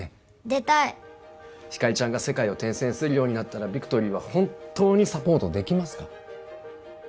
出たいひかりちゃんが世界を転戦するようになったらビクトリーは本当にサポートできますか？